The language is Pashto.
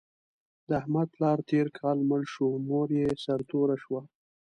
د احمد پلار تېر کال مړ شو، مور یې سرتوره شوه.